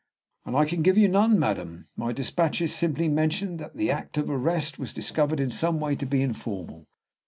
"And I can give you none, madam. My despatches simply mention that the act of arrest was discovered in some way to be informal.